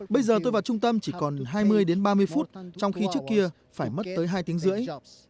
bây giờ tôi vào trung tâm chỉ còn hai mươi đến ba mươi phút trong khi trước kia phải mất tới hai tiếng rưỡi